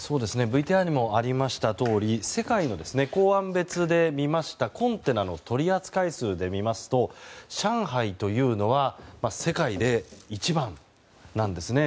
ＶＴＲにもありましたとおり世界の港湾別で見ましたコンテナの取り扱い数で見ますと上海というのは世界で一番なんですね。